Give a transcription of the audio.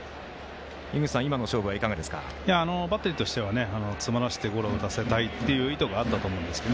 バッテリーとしては詰まらせてゴロを打たせたい意図があったと思います。